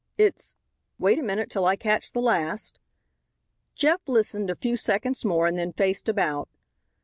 "It's wait a minute till I catch the last " Jeff listened a few seconds more and then faced about.